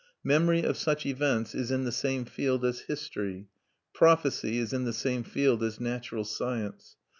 Memory of such events is in the same field as history; prophecy is in the same field as natural science.